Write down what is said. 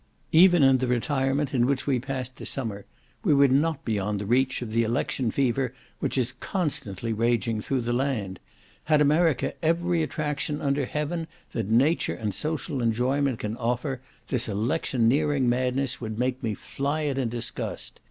Even in the retirement in which we passed this summer, we were not beyond reach of the election fever which is constantly raging through the land. Had America every attraction under heaven that nature and social enjoyment can offer, this electioneering madness would make me fly it in disgust.